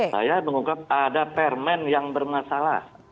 saya mengungkap ada permen yang bermasalah